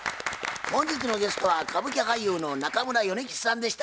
本日のゲストは歌舞伎俳優の中村米吉さんでした。